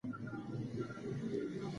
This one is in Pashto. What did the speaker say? که پیمانه وي نو شیدې نه کمیږي.